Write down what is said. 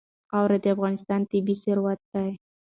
خاوره د افغانستان طبعي ثروت دی.